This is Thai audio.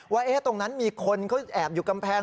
ว่าตรงนั้นมีคนเขาแอบอยู่กำแพง